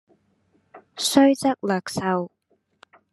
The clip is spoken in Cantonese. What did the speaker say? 雖則略瘦，